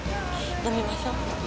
飲みましょう。